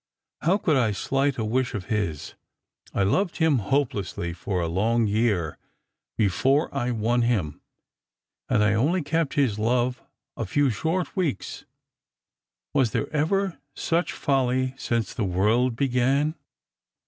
How could I shght a wish of his I I loved him hopelessly for a long year before I won him, and I only kept his love a few short weeks. Was there ever such folly since the world began